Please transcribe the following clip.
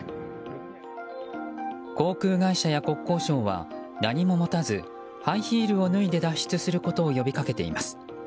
航空会社や国交省は何も持たずハイヒールを脱いで脱出することを呼びかけています。